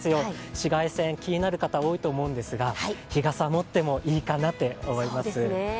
紫外線、気になる方多いと思うんですが、日傘持ってもいいかなって思います。